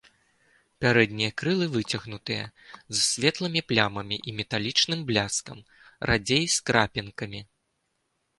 Пярэднія крылы выцягнутыя, з светлымі плямамі і металічным бляскам, радзей з крапінкамі.